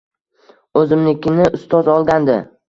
O‘zimnikini ustoz olgandi